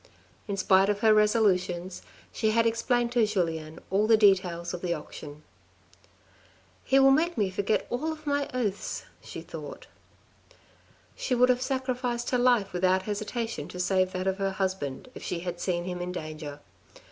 In spite of her resolutions, she had explained to Julien all the details of the auction. " He will make me forget all my oaths !" she thought. She would have sacrificed her life without hesitation to save that of her husband if she had seen him in danger.